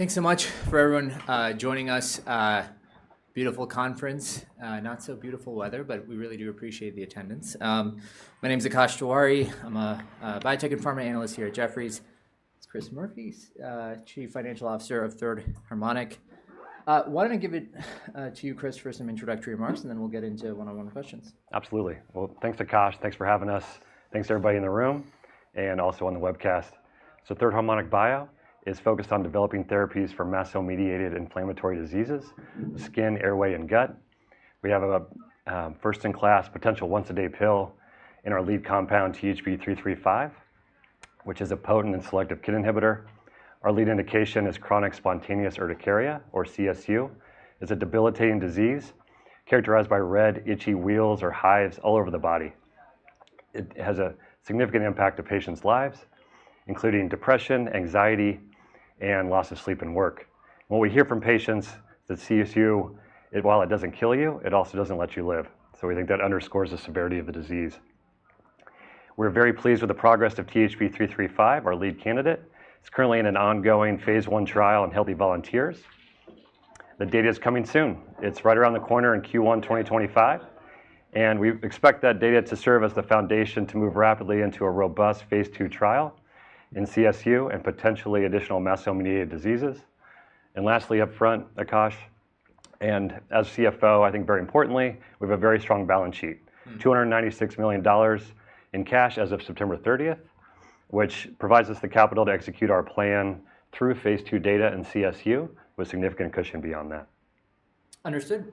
Thanks so much for everyone joining us. Beautiful conference, not so beautiful weather, but we really do appreciate the attendance. My name is Akash Tewari. I'm a biotech and pharma analyst here at Jefferies. Chris Murphy, Chief Financial Officer of Third Harmonic. Why don't I give it to you, Chris, for some introductory remarks, and then we'll get into one-on-one questions. Absolutely. Well, thanks, Akash. Thanks for having us. Thanks to everybody in the room and also on the webcast. Third Harmonic Bio is focused on developing therapies for mast cell-mediated inflammatory diseases: skin, airway, and gut. We have a first-in-class, potential once-a-day pill in our lead compound, THB 335, which is a potent and selective KIT inhibitor. Our lead indication is chronic spontaneous urticaria, or CSU. It's a debilitating disease characterized by red, itchy wheals or hives all over the body. It has a significant impact on patients' lives, including depression, anxiety, and loss of sleep and work. What we hear from patients is that CSU, while it doesn't kill you, it also doesn't let you live. We think that underscores the severity of the disease. We're very pleased with the progress of 335, our lead candidate. It's currently in an ongoing phase I trial on healthy volunteers. The data is coming soon. It's right around the corner in Q1 2025. And we expect that data to serve as the foundation to move rapidly into a robust phase II trial in CSU and potentially additional mast cell-mediated diseases. And lastly, upfront, Akash, and as CFO, I think very importantly, we have a very strong balance sheet: $296 million in cash as of September 30, which provides us the capital to execute our plan through phase II data and CSU with significant cushion beyond that. Understood.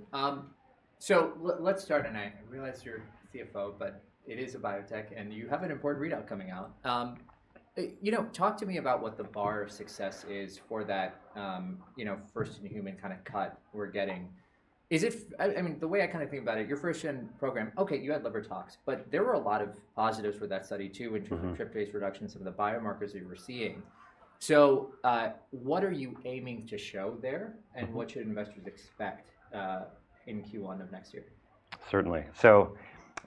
So let's start. And I realize you're a CFO, but it is a biotech, and you have an important readout coming out. Talk to me about what the bar of success is for that first-in-human kind of cut we're getting. I mean, the way I kind of think about it, your first-in program, Okay, you had liver tox, but there were a lot of positives with that study, too, in terms of tryptase reduction and some of the biomarkers that you were seeing. So what are you aiming to show there, and what should investors expect in Q1 of next year? Certainly. So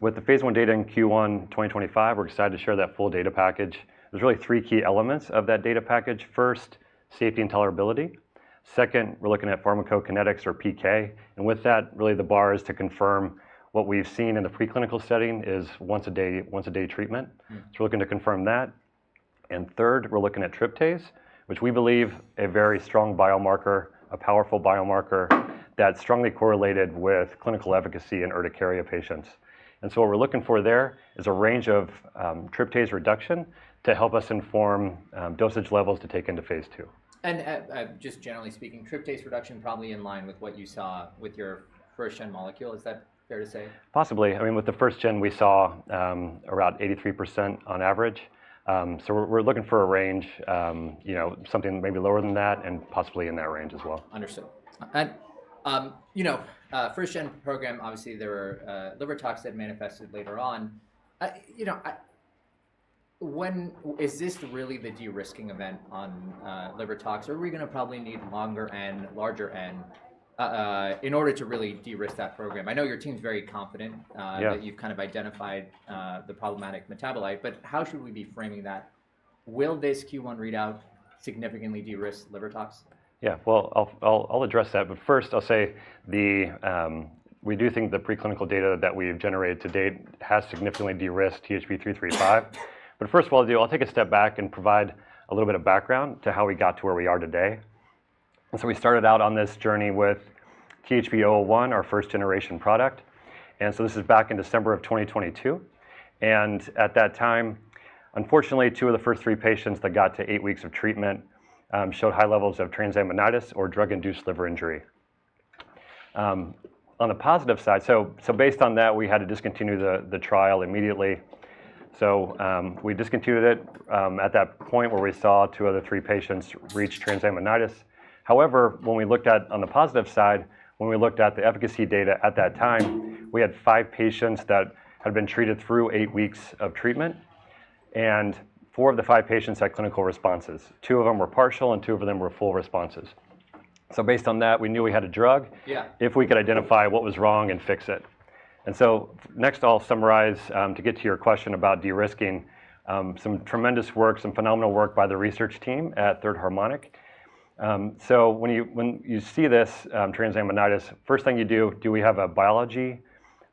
with the phase I data in Q1 2025, we're excited to share that full data package. There's really three key elements of that data package. First, safety and tolerability. Second, we're looking at pharmacokinetics, or PK. And with that, really, the bar is to confirm what we've seen in the preclinical setting is once-a-day treatment. So we're looking to confirm that. And third, we're looking at tryptase, which we believe is a very strong biomarker, a powerful biomarker that's strongly correlated with clinical efficacy in urticaria patients. And so what we're looking for there is a range of tryptase reduction to help us inform dosage levels to take into phase II. Just generally speaking, tryptase reduction probably in line with what you saw with your first-gen molecule. Is that fair to say? Possibly. I mean, with the first gen, we saw about 83% on average. So we're looking for a range, something maybe lower than that and possibly in that range as well. Understood. First-gen program, obviously, there were liver tox that manifested later on. Is this really the de-risking event on liver tox, or are we going to probably need longer N, larger N, in order to really de-risk that program? I know your team's very confident that you've kind of identified the problematic metabolite, but how should we be framing that? Will this Q1 readout significantly de-risk liver tox? Yeah. Well, I'll address that. But first, I'll say we do think the preclinical data that we've generated to date has significantly de-risked 335. But first of all, I'll take a step back and provide a little bit of background to how we got to where we are today. We started out on this journey with THB 001, our first-generation product. This is back in December of 2022. And at that time, unfortunately, two of the first three patients that got to eight weeks of treatment showed high levels of transaminitis, or drug-induced liver injury. On the positive side, based on that, we had to discontinue the trial immediately. We discontinued it at that point where we saw two out of three patients reach transaminitis. However, when we looked at, on the positive side, when we looked at the efficacy data at that time, we had five patients that had been treated through eight weeks of treatment, and four of the five patients had clinical responses. Two of them were partial, and two of them were full responses. So based on that, we knew we had a drug if we could identify what was wrong and fix it. And so next, I'll summarize to get to your question about de-risking some tremendous work, some phenomenal work by the research team at Third Harmonic. So when you see this transaminitis, first thing you do, do we have a biology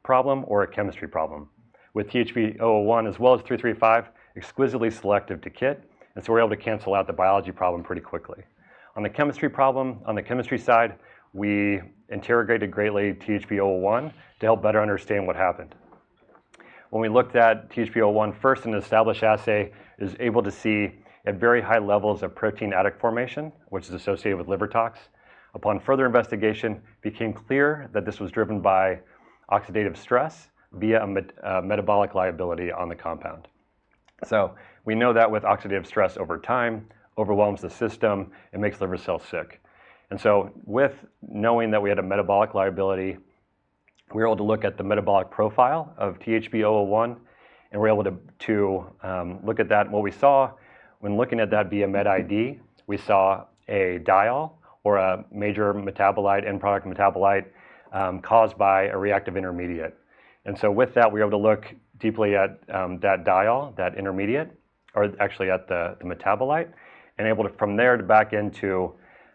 problem or a chemistry problem? With THB 001, as well as 335, exquisitely selective to KIT. And so we're able to cancel out the biology problem pretty quickly. On the chemistry problem, on the chemistry side, we interrogated greatly 001 to help better understand what happened. When we looked at 001 first in an established assay, we were able to see at very high levels of protein adduct formation, which is associated with liver tox. Upon further investigation, it became clear that this was driven by oxidative stress via a metabolic liability on the compound. So we know that with oxidative stress over time, it overwhelms the system and makes liver cells sick. And so with knowing that we had a metabolic liability, we were able to look at the metabolic profile of THB 001, and we were able to look at that. What we saw when looking at that via MetID, we saw a diol, or a major metabolite, end product metabolite, caused by a reactive intermediate. And so with that, we were able to look deeply at that diol, that intermediate, or actually at the metabolite, and able to, from there, back into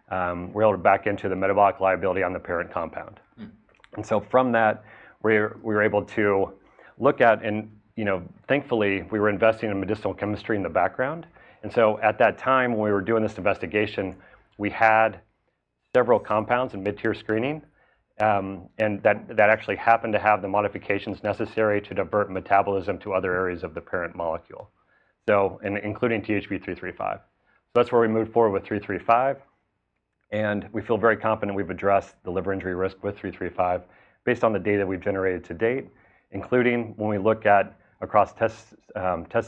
the metabolic liability on the parent compound. And so from that, we were able to look at, and thankfully, we were investing in medicinal chemistry in the background. And so at that time, when we were doing this investigation, we had several compounds in mid-tier screening, and that actually happened to have the modifications necessary to divert metabolism to other areas of the parent molecule, including THB 335. So that's where we moved forward with 335. We feel very confident we've addressed the liver injury risk with 335 based on the data we've generated to date, including when we look at across test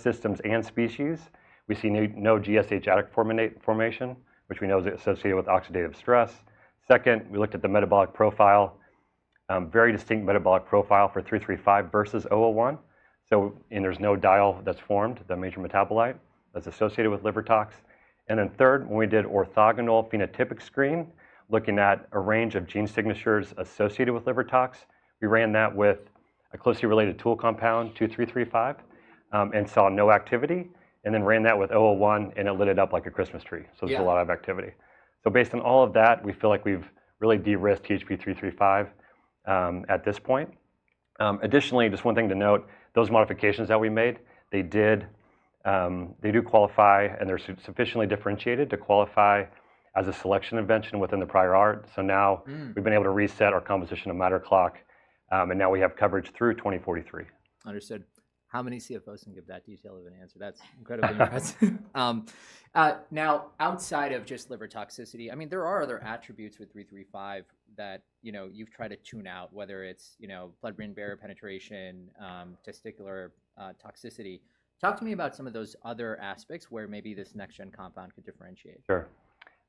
systems and species, we see no GSH adduct formation, which we know is associated with oxidative stress. Second, we looked at the metabolic profile, very distinct metabolic profile for 335 versus 001, and there's no diol that's formed, the major metabolite, that's associated with liver tox. And then third, when we did orthogonal phenotypic screen, looking at a range of gene signatures associated with liver tox, we ran that with a closely related tool compound, 2335, and saw no activity, and then ran that with 001, and it lit it up like a Christmas tree. So there's a lot of activity. So based on all of that, we feel like we've really de-risked THB335 at this point. Additionally, just one thing to note, those modifications that we made, they do qualify, and they're sufficiently differentiated to qualify as a selection invention within the prior art. So now we've been able to reset our composition of matter clock, and now we have coverage through 2043. Understood. How many CFOs can give that detail of an answer? That's incredibly impressive. Now, outside of just liver toxicity, I mean, there are other attributes with 335 that you've tried to tune out, whether it's blood-brain barrier penetration, testicular toxicity. Talk to me about some of those other aspects where maybe this next-gen compound could differentiate. Sure.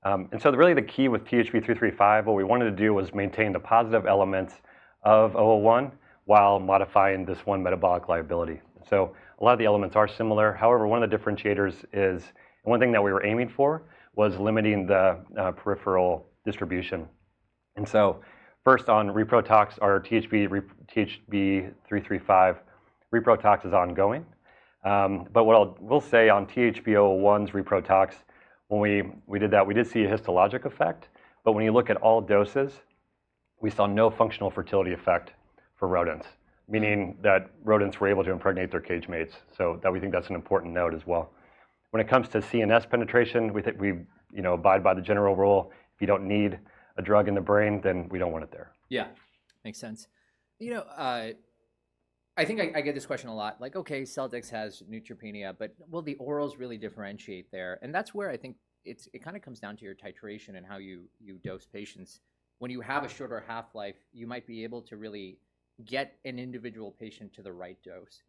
And so really the key with THB335, what we wanted to do was maintain the positive elements of 001 while modifying this one metabolic liability. So a lot of the elements are similar. However, one of the differentiators is one thing that we were aiming for was limiting the peripheral distribution. And so first, on reprotox, our THB 335 reprotox is ongoing. But what I'll say on THB001's reprotox, when we did that, we did see a histologic effect. But when you look at all doses, we saw no functional fertility effect for rodents, meaning that rodents were able to impregnate their cage mates. So we think that's an important note as well. When it comes to CNS penetration, we abide by the general rule. If you don't need a drug in the brain, then we don't want it there. Yeah. Makes sense. I think I get this question a lot. Like, Okay, Celldex has neutropenia, but will the orals really differentiate there? And that's where I think it kind of comes down to your titration and how you dose patients. When you have a shorter half-life, you might be able to really get an individual patient to the right dose.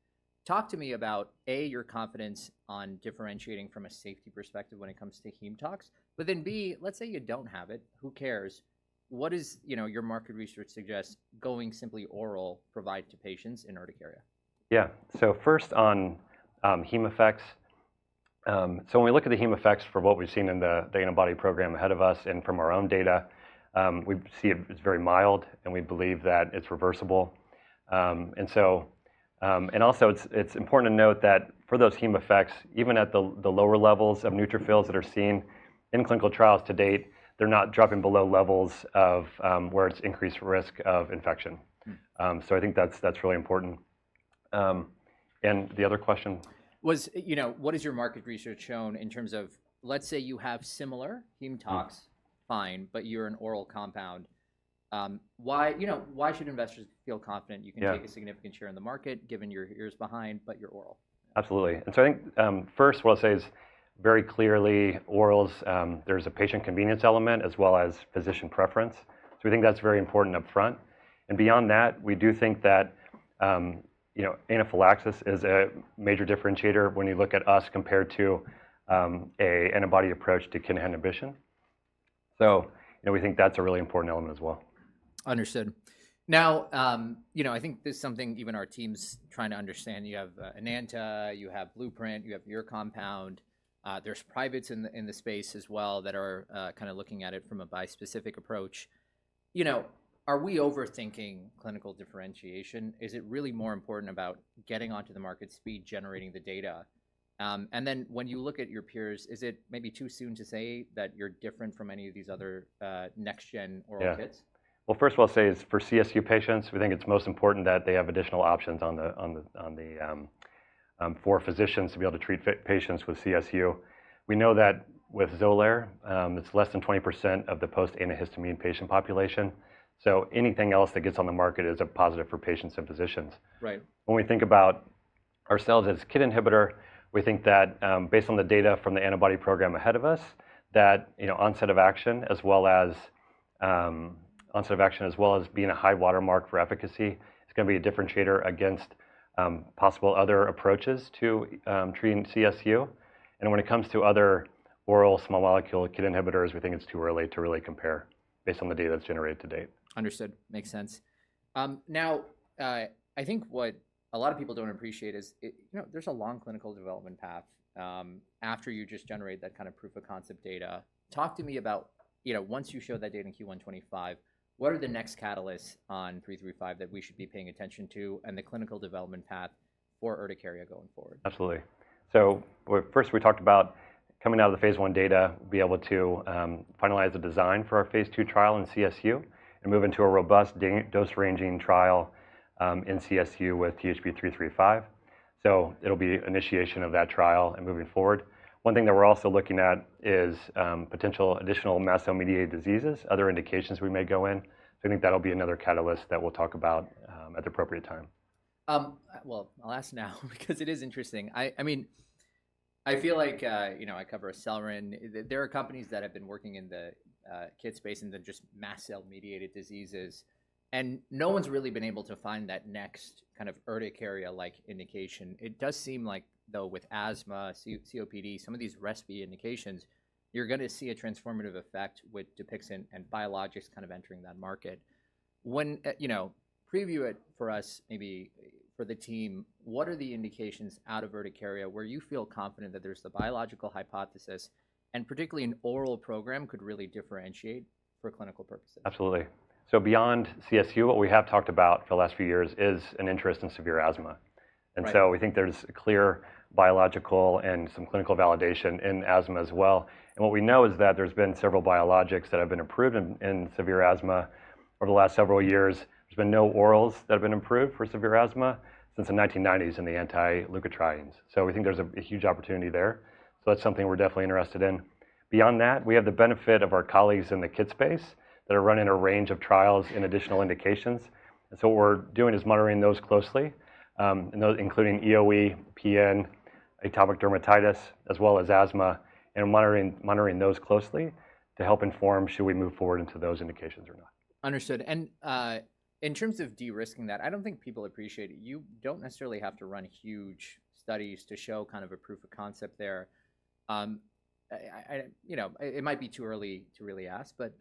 Talk to me about, A, your confidence on differentiating from a safety perspective when it comes to heme tox. But then, B, let's say you don't have it. Who cares? What does your market research suggest going simply oral provide to patients in urticaria? Yeah. So first, on heme effects. So when we look at the heme effects for what we've seen in the antibody program ahead of us and from our own data, we see it's very mild, and we believe that it's reversible. And also, it's important to note that for those heme effects, even at the lower levels of neutrophils that are seen in clinical trials to date, they're not dropping below levels of where it's increased risk of infection. So I think that's really important. And the other question. What has your market research shown in terms of, let's say you have similar heme tox, fine, but you're an oral compound? Why should investors feel confident you can take a significant share in the market, given you're years behind, but you're oral? Absolutely, and so I think first, what I'll say is very clearly, orals, there's a patient convenience element as well as physician preference. So we think that's very important upfront. And beyond that, we do think that anaphylaxis is a major differentiator when you look at us compared to an antibody approach to KIT inhibition. So we think that's a really important element as well. Understood. Now, I think this is something even our team's trying to understand. You have Enanta, you have Blueprint, you have your compound. There's privates in the space as well that are kind of looking at it from a bispecific approach. Are we overthinking clinical differentiation? Is it really more important about getting onto the market speed, generating the data? And then when you look at your peers, is it maybe too soon to say that you're different from any of these other next-gen oral kits? Yeah. Well, first, what I'll say is for CSU patients, we think it's most important that they have additional options for physicians to be able to treat patients with CSU. We know that with XOLAIR, it's less than 20% of the post-antihistamine patient population. So anything else that gets on the market is a positive for patients and physicians. When we think about ourselves as a KIT inhibitor, we think that based on the data from the antibody program ahead of us, that onset of action, as well as onset of action, as well as being a high watermark for efficacy, is going to be a differentiator against possible other approaches to treating CSU, and when it comes to other oral small molecule KIT inhibitors, we think it's too early to really compare based on the data that's generated to date. Understood. Makes sense. Now, I think what a lot of people don't appreciate is there's a long clinical development path after you just generate that kind of proof of concept data. Talk to me about once you show that data in Q1 2025, what are the next catalysts on 335 that we should be paying attention to and the clinical development path for urticaria going forward? Absolutely, so first, we talked about coming out of the phase I data, we'll be able to finalize the design for our phase II trial in CSU and move into a robust dose-ranging trial in CSU with 335, so it'll be initiation of that trial and moving forward. One thing that we're also looking at is potential additional mast cell-mediated diseases, other indications we may go in, so I think that'll be another catalyst that we'll talk about at the appropriate time. I'll ask now because it is interesting. I mean, I feel like I cover CellRen. There are companies that have been working in the KIT space and then just mast cell-mediated diseases. And no one's really been able to find that next kind of urticaria-like indication. It does seem like, though, with asthma, COPD, some of these RESP indications, you're going to see a transformative effect with DUPIXENT and biologics kind of entering that market. Preview it for us, maybe for the team. What are the indications out of urticaria where you feel confident that there's the biological hypothesis and particularly an oral program could really differentiate for clinical purposes? Absolutely, so beyond CSU, what we have talked about for the last few years is an interest in severe asthma, and so we think there's a clear biological and some clinical validation in asthma as well, and what we know is that there's been several biologics that have been approved in severe asthma over the last several years. There's been no orals that have been approved for severe asthma since the 1990s in the anti-leukotrienes, so we think there's a huge opportunity there, so that's something we're definitely interested in. Beyond that, we have the benefit of our colleagues in the KIT space that are running a range of trials in additional indications, and so what we're doing is monitoring those closely, including EoE, PN, atopic dermatitis, as well as asthma, and monitoring those closely to help inform should we move forward into those indications or not. Understood. And in terms of de-risking that, I don't think people appreciate it. You don't necessarily have to run huge studies to show kind of a proof of concept there. It might be too early to really ask, but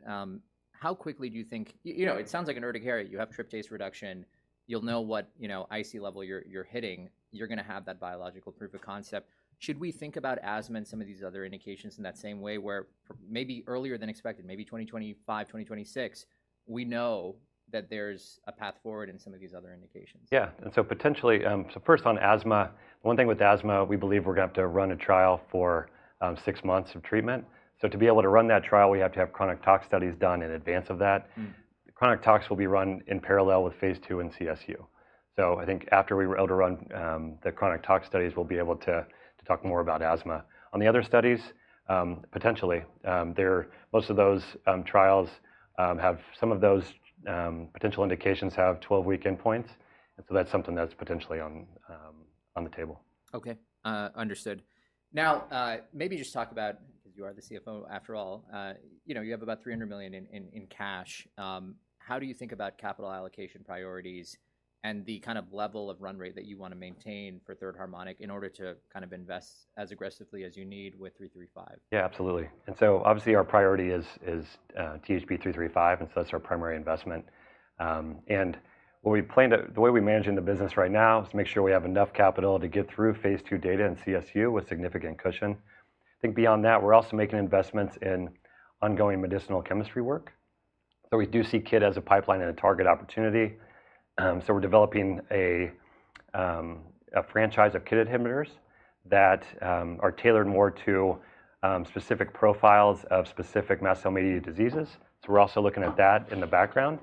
how quickly do you think? It sounds like in urticaria, you have tryptase reduction. You'll know what IC level you're hitting. You're going to have that biological proof of concept. Should we think about asthma and some of these other indications in that same way where maybe earlier than expected, maybe 2025, 2026, we know that there's a path forward in some of these other indications? Yeah. And so potentially, so first on asthma, one thing with asthma, we believe we're going to have to run a trial for six months of treatment. So to be able to run that trial, we have to have chronic tox studies done in advance of that. Chronic tox will be run in parallel with phase II in CSU. So I think after we were able to run the chronic tox studies, we'll be able to talk more about asthma. On the other studies, potentially, most of those trials, some of those potential indications have 12-week endpoints. And so that's something that's potentially on the table. Okay. Understood. Now, maybe just talk about, because you are the CFO after all, you have about $300 million in cash. How do you think about capital allocation priorities and the kind of level of run rate that you want to maintain for Third Harmonic in order to kind of invest as aggressively as you need with 335? Yeah, absolutely. And so obviously, our priority is 335, and so that's our primary investment. And the way we manage in the business right now is to make sure we have enough capital to get through phase II data in CSU with significant cushion. I think beyond that, we're also making investments in ongoing medicinal chemistry work. So we do see KIT as a pipeline and a target opportunity. So we're developing a franchise of KIT inhibitors that are tailored more to specific profiles of specific mast cell-mediated diseases. So we're also looking at that in the background.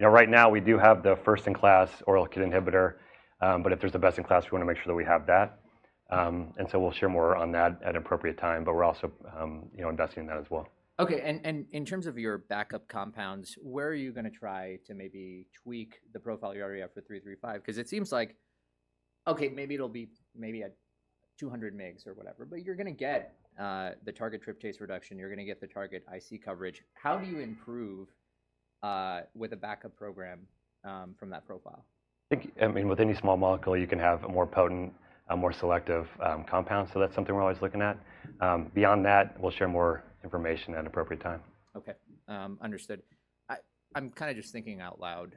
Right now, we do have the first-in-class oral KIT inhibitor, but if there's the best in class, we want to make sure that we have that. And so we'll share more on that at an appropriate time, but we're also investing in that as well. Okay. And in terms of your backup compounds, where are you going to try to maybe tweak the profile you already have for 335? Because it seems like, Okay, maybe it'll be maybe 200 mgs or whatever, but you're going to get the target tryptase reduction. You're going to get the target IC coverage. How do you improve with a backup program from that profile? I think, I mean, with any small molecule, you can have a more potent, more selective compound. So that's something we're always looking at. Beyond that, we'll share more information at an appropriate time. Okay. Understood. I'm kind of just thinking out loud.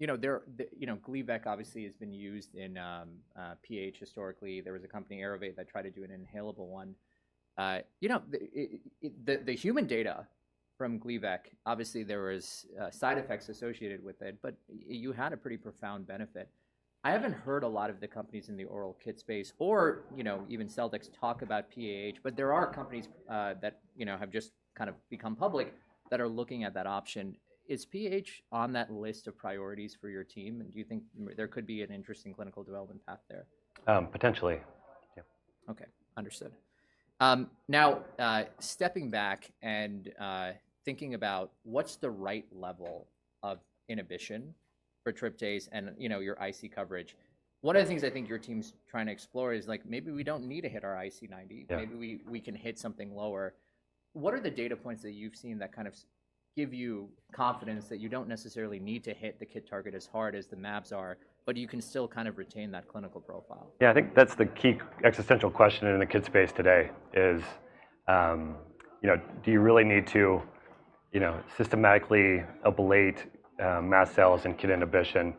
Gleevec obviously has been used in PH historically. There was a company, Aerovate, that tried to do an inhalable one. The human data from Gleevec, obviously, there were side effects associated with it, but you had a pretty profound benefit. I haven't heard a lot of the companies in the oral KIT space or even Celldex talk about PH, but there are companies that have just kind of become public that are looking at that option. Is PH on that list of priorities for your team, and do you think there could be an interesting clinical development path there? Potentially. Yeah. Okay. Understood. Now, stepping back and thinking about what's the right level of inhibition for tryptase and your IC50 coverage, one of the things I think your team's trying to explore is maybe we don't need to hit our IC90. Maybe we can hit something lower. What are the data points that you've seen that kind of give you confidence that you don't necessarily need to hit the KIT target as hard as the mAbs are, but you can still kind of retain that clinical profile? Yeah. I think that's the key existential question in the KIT space today is do you really need to systematically ablate mast cells and KIT inhibition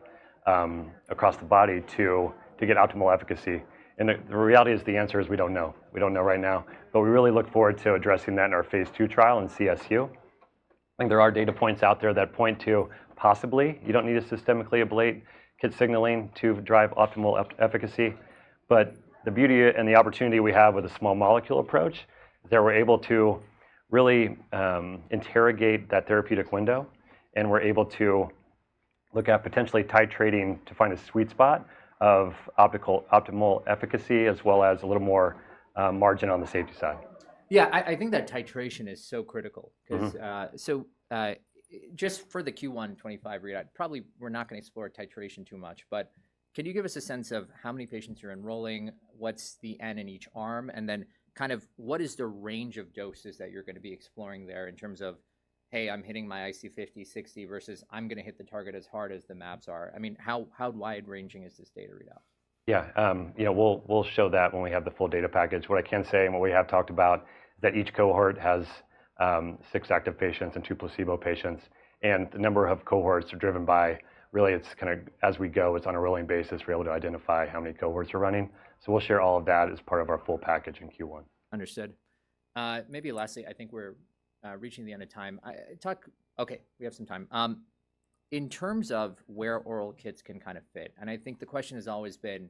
across the body to get optimal efficacy? And the reality is the answer is we don't know. We don't know right now. But we really look forward to addressing that in our phase II trial in CSU. I think there are data points out there that point to possibly you don't need to systemically ablate KIT signaling to drive optimal efficacy. But the beauty and the opportunity we have with a small molecule approach is that we're able to really interrogate that therapeutic window, and we're able to look at potentially titrating to find a sweet spot of optimal efficacy as well as a little more margin on the safety side. Yeah. I think that titration is so critical because so just for the Q1 2025 read, I probably we're not going to explore titration too much. But can you give us a sense of how many patients you're enrolling, what's the N in each arm, and then kind of what is the range of doses that you're going to be exploring there in terms of, hey, I'm hitting my IC50, IC60 versus I'm going to hit the target as hard as the mAbs are? I mean, how wide-ranging is this data readout? Yeah. We'll show that when we have the full data package. What I can say and what we have talked about is that each cohort has six active patients and two placebo patients. The number of cohorts are driven by really, it's kind of as we go, it's on a rolling basis we're able to identify how many cohorts are running. So we'll share all of that as part of our full package in Q1. Understood. Maybe lastly, I think we're reaching the end of time. Okay, we have some time. In terms of where oral KITs can kind of fit, and I think the question has always been,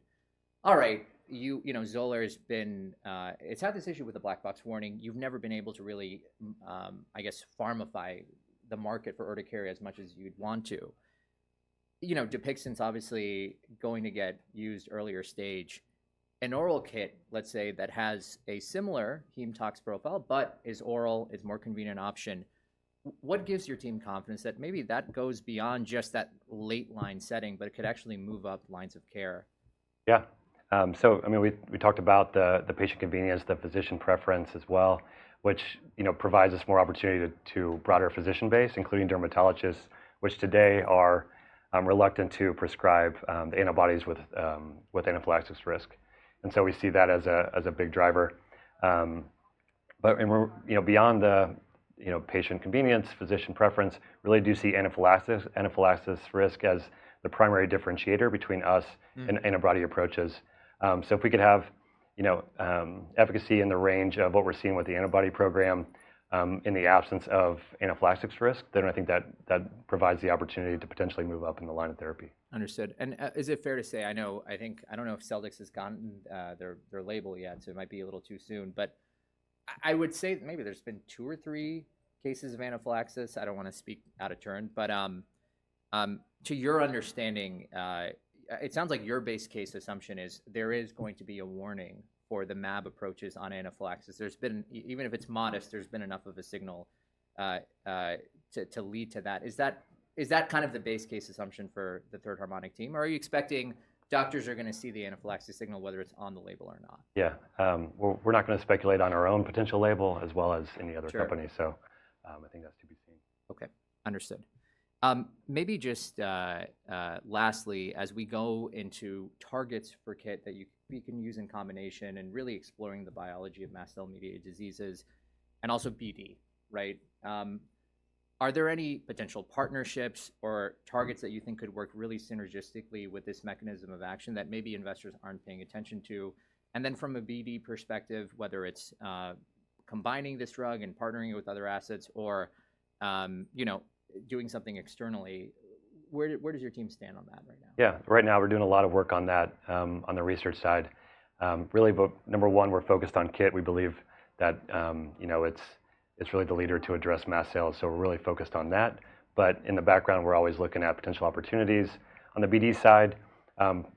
all right, XOLAIR has been; it's had this issue with the black box warning. You've never been able to really, I guess, penetrate the market for urticaria as much as you'd want to. DUPIXENT's obviously going to get used earlier stage. An oral KIT, let's say, that has a similar heme tox profile but is oral is more convenient option. What gives your team confidence that maybe that goes beyond just that late line setting, but it could actually move up lines of care? Yeah. So I mean, we talked about the patient convenience, the physician preference as well, which provides us more opportunity to broader physician base, including dermatologists, which today are reluctant to prescribe the antibodies with anaphylaxis risk. And so we see that as a big driver. But beyond the patient convenience, physician preference, we really do see anaphylaxis risk as the primary differentiator between us and antibody approaches. So if we could have efficacy in the range of what we're seeing with the antibody program in the absence of anaphylaxis risk, then I think that provides the opportunity to potentially move up in the line of therapy. Understood, and is it fair to say I know I think I don't know if Celldex has gotten their label yet, so it might be a little too soon, but I would say maybe there's been two or three cases of anaphylaxis. I don't want to speak out of turn, but to your understanding, it sounds like your base case assumption is there is going to be a warning for the mAb approaches on anaphylaxis. There's been even if it's modest, there's been enough of a signal to lead to that. Is that kind of the base case assumption for the Third Harmonic team? Or are you expecting doctors are going to see the anaphylaxis signal whether it's on the label or not? Yeah. We're not going to speculate on our own potential label as well as any other company. So I think that's to be seen. Okay. Understood. Maybe just lastly, as we go into targets for KIT that you can use in combination and really exploring the biology of mast cell-mediated diseases and also BD, right? Are there any potential partnerships or targets that you think could work really synergistically with this mechanism of action that maybe investors aren't paying attention to? And then from a BD perspective, whether it's combining this drug and partnering with other assets or doing something externally, where does your team stand on that right now? Yeah. Right now, we're doing a lot of work on that on the research side. Really, number one, we're focused on KIT. We believe that it's really the leader to address mast cells. So we're really focused on that. But in the background, we're always looking at potential opportunities. On the BD side,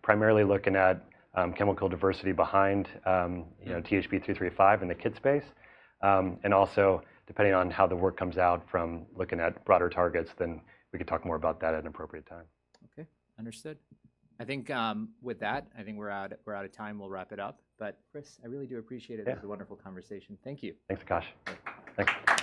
primarily looking at chemical diversity behind THB 335 in the KIT space. And also, depending on how the work comes out from looking at broader targets, then we could talk more about that at an appropriate time. OK. Understood. I think with that, I think we're out of time. We'll wrap it up. But Chris, I really do appreciate it. It was a wonderful conversation. Thank you. Thanks, Akash. Thanks.